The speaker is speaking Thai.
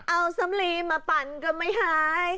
เอาสำลีมาปั่นก็ไม่หาย